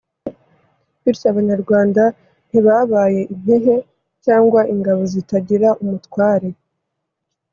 bityo abanyarwanda ntibabaye impehe cyangwa ingabo zitagira umutware